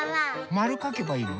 まるかけばいいの？